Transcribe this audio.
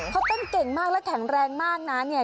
เขาเต้นเก่งมากและแข็งแรงมากนะเนี่ย